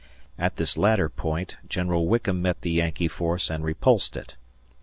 At this latter point General Wickham met the Yankee force and repulsed it.